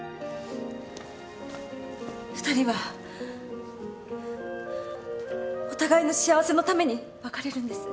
２人はお互いの幸せのために別れるんです。